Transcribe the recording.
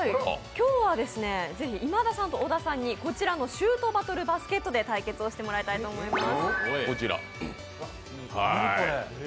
今日は今田さんと小田さんにこちらの「シュートバトルバスケット」で対決してもらいたいと思います。